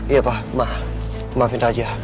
iya pak maafin raja